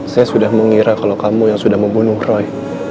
saya sudah mengira kalau kamu yang sudah membunuh roy